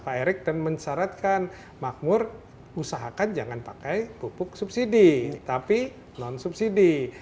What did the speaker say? pak erik dan mensyaratkan makmur usahakan jangan pakai pupuk subsidi tapi non subsidi